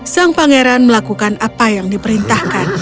sang pangeran melakukan apa yang diperintahkan